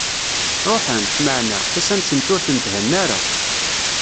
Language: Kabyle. Ruḥent, meɛna, tasa-nsent ur tent-henna ara.